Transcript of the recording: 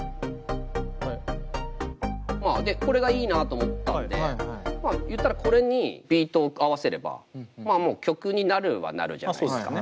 でこれがいいなと思ったんで言ったらこれにビートを合わせればもう曲になるはなるじゃないですか。